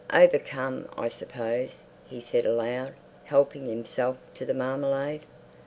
"Overcome, I suppose," he said aloud, helping himself to the marmalade.